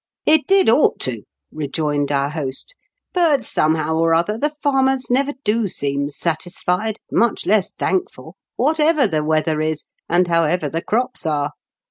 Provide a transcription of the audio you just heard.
" It did ought to," rejoined our host. "But, somehow or other, the farmers never do seem satisfied, much less thankful, what ever the weather is, and however the crops are.